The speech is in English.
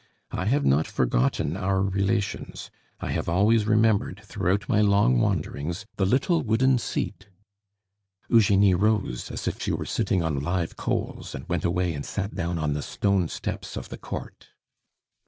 I have not forgotten our relations; I have always remembered, throughout my long wanderings, the little wooden seat Eugenie rose as if she were sitting on live coals, and went away and sat down on the stone steps of the court.